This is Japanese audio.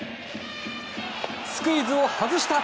スクイズを外した。